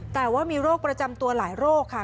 แต่ว่ามีโรคประจำตัวหลายโรคค่ะ